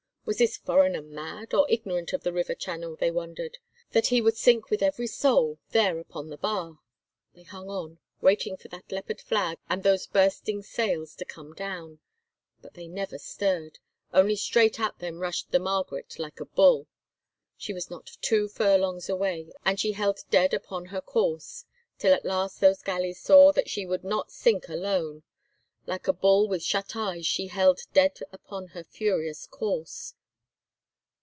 Was this foreigner mad, or ignorant of the river channel, they wondered, that he would sink with every soul there upon the bar? They hung on, waiting for that leopard flag and those bursting sails to come down; but they never stirred; only straight at them rushed the Margaret like a bull. She was not two furlongs away, and she held dead upon her course, till at last those galleys saw that she would not sink alone. Like a bull with shut eyes she held dead upon her furious course!